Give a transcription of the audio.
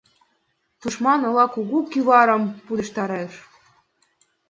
Тушман ола кугу кӱварым пудештарыш.